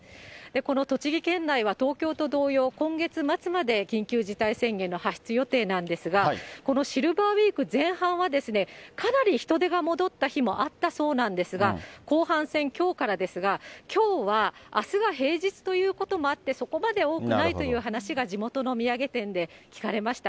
この栃木県内は東京と同様、今月末まで緊急事態宣言の発出予定なんですが、このシルバーウイーク前半はかなり人出が戻った日もあったそうなんですが、後半戦、きょうからですが、きょうはあすが平日ということもあって、そこまで多くないという話が地元の土産店で聞かれました。